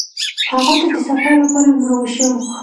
هغوی ته د سفر لپاره امر وشو.